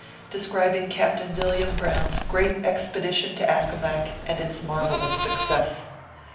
DESCRIBING CAPTAIN VILLIAM BROWN S GREAT EXPEDITION TO ACCO MAC, AND ITS MARVELLOUS SUCCESS.